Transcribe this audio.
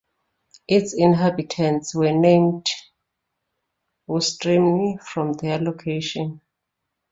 Its inhabitants were named Oestrimni from their location.